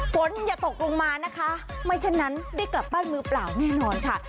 ฝนอย่าตกลงมานะคะไม่เช่นนั้นได้กลับบ้านมือเปล่าแน่นอนค่ะ